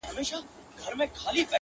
اختر چي تېر سي بیا به راسي-